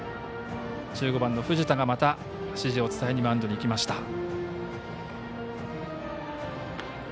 １５番の藤田が指示を伝えにマウンドに行きました。